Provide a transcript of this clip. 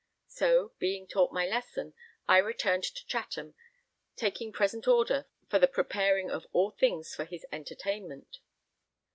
So, being taught my lesson, I returned to Chatham, taking present order for the preparing of all things for his entertainment.